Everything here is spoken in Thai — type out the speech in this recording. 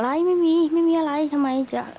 ไม่มีไม่มีอะไรทำไมจะ